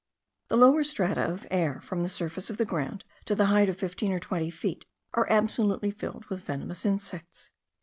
The lower strata of air, from the surface of the ground to the height of fifteen or twenty feet, are absolutely filled with venomous insects.